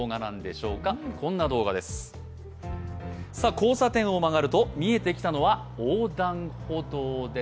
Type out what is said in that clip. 交差点を曲がると見えてきたのは横断歩道です。